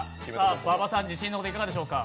馬場さん、自信のほどはいかがでしょうか？